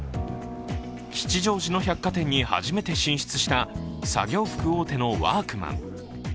吉祥寺の百貨店に初めて進出した作業服大手のワークマン。